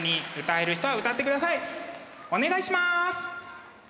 お願いします！